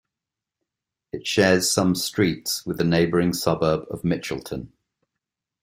It shares some streets with the neighbouring suburb of Mitchelton.